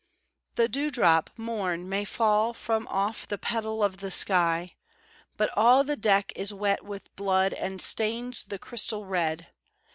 "The dewdrop morn may fall from off the petal of the sky, But all the deck is wet with blood and stains the crystal red.